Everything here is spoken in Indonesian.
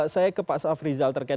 saya ke pak sof rizal terkaitnya